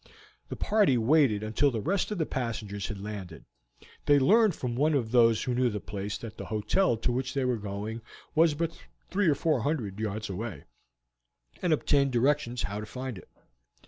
The party waited until the rest of the passengers had landed. They learned from one of those who knew the place that the hotel to which they were going was but three or four hundred yards away, and obtained directions how to find it.